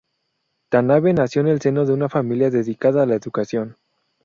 Tanabe nació en el seno de una familia dedicada a la educación.